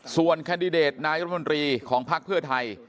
ส่วนแคนดิเดตนายรัฐมนตรีของภักดิ์เพื่อไทย